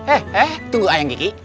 eh eh tunggu ayang geki